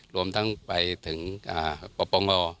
รวมทั้งไปถึงประปองร